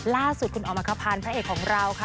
ล่าสุดคุณออมคภัณฑ์พระเอกของเราค่ะ